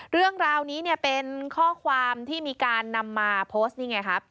เรื่องราวนี้เนี่ยเป็นข้อความที่มีการนำมาโพสต์นี่ไงครับ